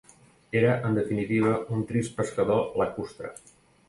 Era, en definitiva, un trist pescador lacustre.